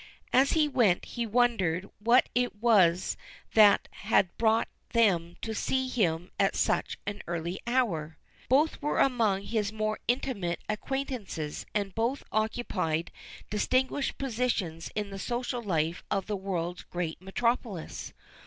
As he went he wondered what it was that had brought them to see him at such an early hour. Both were among his more intimate acquaintances and both occupied distinguished positions in the social life of the world's great metropolis.